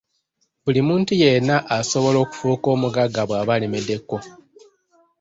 Buli muntu yenna asobola okufuuka omugagga bwaba alemeddeko.